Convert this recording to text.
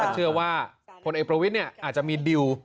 เชื่อว่าพลเอกประวิทย์อาจจะมีดิว